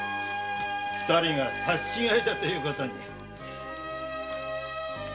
二人が刺し違えたということに。